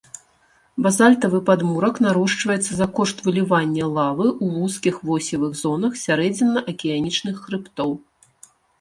Базальтавы падмурак нарошчваецца за кошт вылівання лавы ў вузкіх восевых зонах сярэдзінна-акіянічных хрыбтоў.